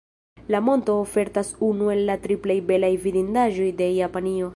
La monto ofertas unu el la tri plej belaj vidindaĵoj de Japanio.